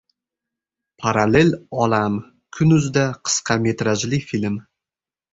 “Parallel olam” - Kun.uz'da qisqa metrajli film